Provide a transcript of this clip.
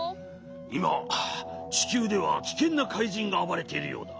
いまちきゅうではきけんなかいじんがあばれているようだ。